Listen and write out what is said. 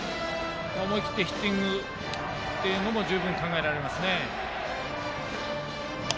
思い切ってヒッティングも十分考えられますね。